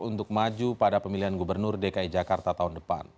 untuk maju pada pemilihan gubernur dki jakarta tahun depan